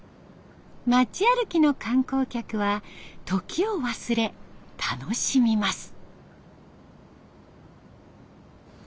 町歩きの観光客は時を忘れ楽しみます。